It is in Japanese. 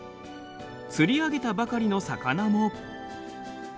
釣り上げたばかりの魚も。